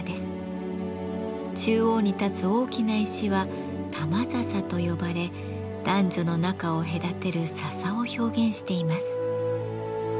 中央に立つ大きな石は「玉ざさ」と呼ばれ男女の仲を隔てる「笹」を表現しています。